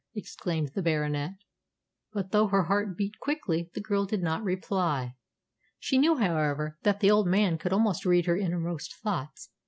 exclaimed the Baronet. But though her heart beat quickly, the girl did not reply. She knew, however, that the old man could almost read her innermost thoughts.